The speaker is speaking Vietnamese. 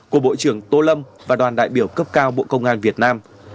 của bộ trưởng tô lâm và đoàn đại biểu cấp cao bộ công an việt nam